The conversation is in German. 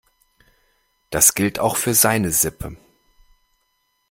Das gilt auch für seine Sippe.